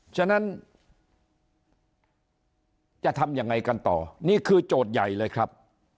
ฉะนั้นจะทำยังไงกันต่อนี่คือโจทย์ใหญ่เลยครับ